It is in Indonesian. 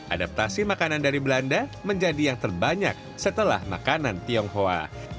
adaptasi makanan dari belanda menjadi yang terbanyak setelah makanan tionghoa